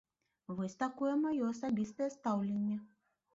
Вось такое маё асабістае стаўленне!